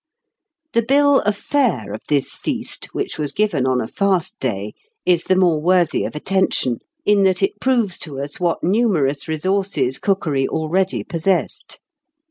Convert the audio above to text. The bill of fare of this feast, which was given on a fast day, is the more worthy of attention, in that it proves to us what numerous resources cookery already possessed.